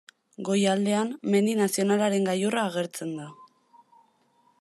Goialdean mendi nazionalaren gailurra agertzen da.